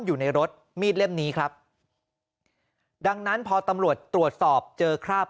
อยู่ในรถมีดเล่มนี้ครับดังนั้นพอตำรวจตรวจสอบเจอคราบ